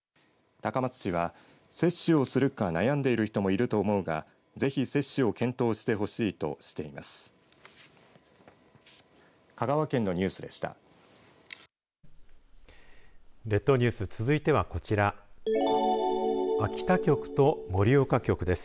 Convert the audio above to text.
高松市は折衝するか悩んでいる人もいると思うがぜひ接種を検討してほしいとしています。